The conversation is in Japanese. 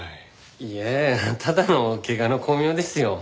いやあただの怪我の功名ですよ。